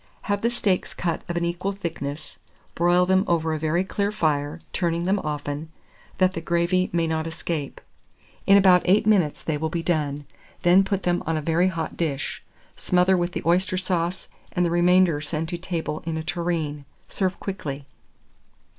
Have the steaks cut of an equal thickness, broil them over a very clear fire, turning them often, that the gravy may not escape. In about 8 minutes they will be done, then put them on a very hot dish; smother with the oyster sauce, and the remainder send to table in a tureen. Serve quickly.